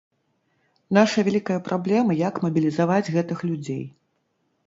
Наша вялікая праблема, як мабілізаваць гэтых людзей.